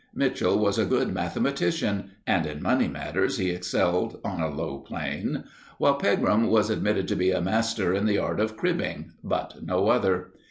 Mitchell was a good mathematician, and in money matters he excelled on a low plane; while Pegram was admitted to be a master in the art of cribbing, but no other.